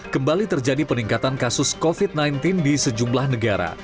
kembali terjadi peningkatan kasus covid sembilan belas di sejumlah negara